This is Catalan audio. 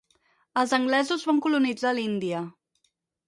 Els anglesos van colonitzar l'Índia.